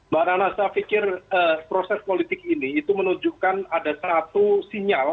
mbak nana saya pikir proses politik ini itu menunjukkan ada satu sinyal